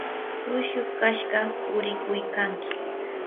uyshu kashqa purikuykanki.